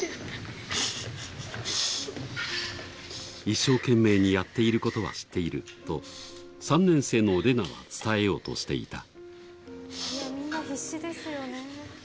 一生懸命にやっていることは知っていると３年生のれなは伝えようとしていた。